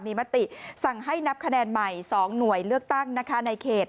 มีมติสั่งให้นับคะแนนใหม่๒หน่วยเลือกตั้งนะคะในเขต